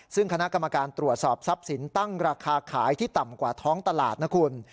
ซึ่งคณะกรรมการตรวจสอบทรัพย์สินตั้งราคาขายที่ต่ำกว่าท้องตลาดนะคุณ